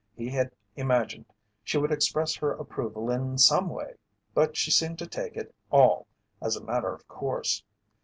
He had imagined she would express her approval in some way, but she seemed to take it all as a matter of course.